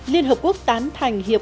liên hợp quốc tán thành hiệp ước